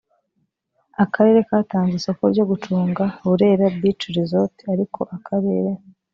akarere katanze isoko ryo gucunga burera beach resort ariko akarere